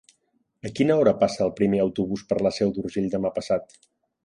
A quina hora passa el primer autobús per la Seu d'Urgell demà passat?